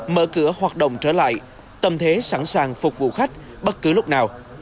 mở cửa hoạt động trở lại tâm thế sẵn sàng phục vụ khách bất cứ lúc nào